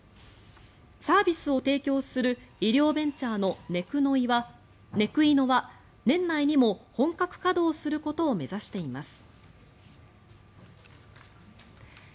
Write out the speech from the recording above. サービスを提供する医療ベンチャーのネクイノは年内にも本格稼働することを目指しています。